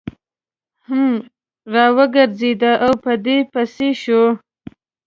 هم را وګرځېد او په ده پسې شو.